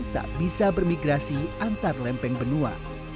tak bisa bermigrasi antar lempeng benua